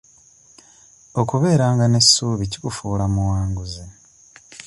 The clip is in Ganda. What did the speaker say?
Okubeeranga n'essuubi kikufuula muwanguzi.